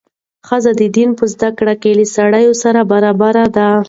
ښځه د دین په زده کړه کې له سړي سره برابره ده.